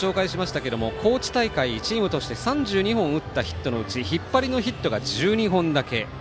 途中ご紹介しましたが高知大会チームとして３２本打ったヒットのうち引っ張りのヒットが１２本だけ。